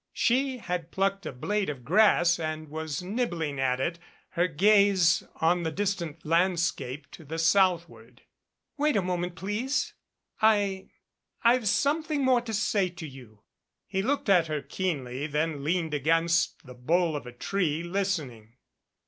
She had plucked a blade of grass and was nibbling at it, her gaze on the distant landscape to the southward. "Wait a moment, please. I I've something more to say to you." He looked at her keenly, then leaned against the bole of a tree, listening.